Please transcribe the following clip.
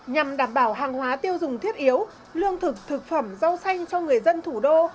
nhằm đảm bảo hàng hóa tiêu dùng thiết yếu lương thực thực phẩm rau xanh cho người dân thủ đô